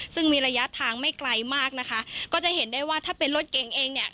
ซึ่งมีระยะทางไม่ไกลมากนะคะก็จะเห็นได้ว่าถ้าเป็นรถเก่งเองเนี่ย